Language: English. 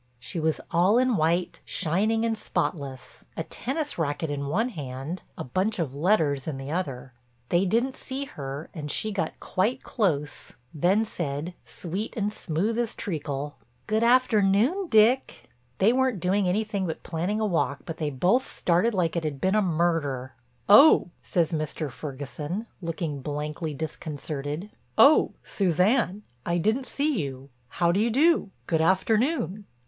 She was all in white, shining and spotless, a tennis racket in one hand, a bunch of letters in the other. They didn't see her and she got quite close, then said, sweet and smooth as treacle: "Good afternoon, Dick." They weren't doing anything but planning a walk, but they both started like it had been a murder. "Oh," says Mr. Ferguson, looking blankly disconcerted, "oh, Suzanne, I didn't see you. How do you do—good afternoon."